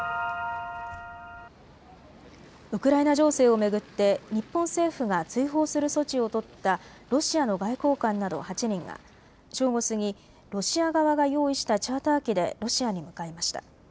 ウクライナ情勢を巡って日本政府が追放する措置を取ったロシアの外交官など８人が正午過ぎ、ロシア側が用意したチャーター機でロシアに向かいました。